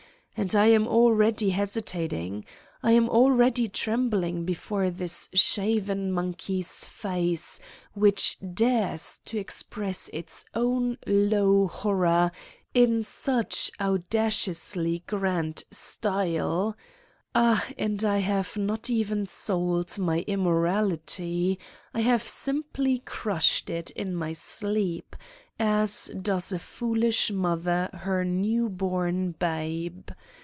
... And I am already hesitat ing. I am already trembling before this shaven monkey's face which dares to express its own low horror in such audaciously grand style: Ah, I have not even sold my Immorality : I have simply crushed it in my sleep, as does a foolish mother her newborn babe.